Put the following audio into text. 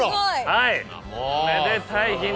はいめでたい日に。